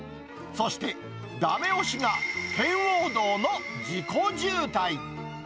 そしてだめ押しが、圏央道の事故渋滞。